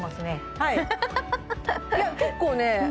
はいいや結構ね